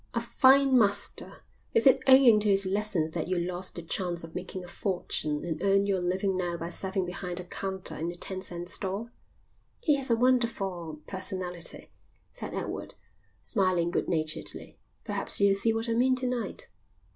"A fine master. Is it owing to his lessons that you lost the chance of making a fortune and earn your living now by serving behind a counter in a ten cent store?" "He has a wonderful personality," said Edward, smiling good naturedly. "Perhaps you'll see what I mean to night."